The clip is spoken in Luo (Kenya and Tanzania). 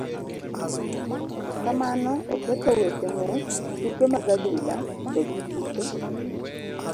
Kamano oketho weche ng'uech, tuke mag adhula to gi tuke